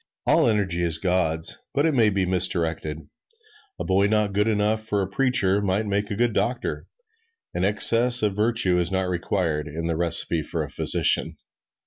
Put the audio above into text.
All energy is God's, but it may be misdirected. A boy not good enough for a preacher might make a good doctor an excess of virtue is not required in the recipe for a physician.